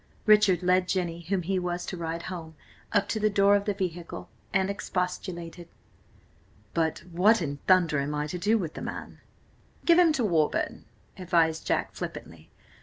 Richard led Jenny, whom he was to ride home, up to the door of the vehicle, and expostulated. "But what in thunder am I to do with the man?" "Give him to Warburton," advised Jack flippantly.